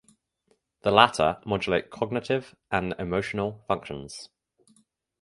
The latter modulate cognitive and emotional functions.